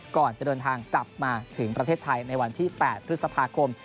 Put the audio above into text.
ก่อนจะเดินทางกลับมาถึงประเทศไทยในวันที่๘พฤษภาคม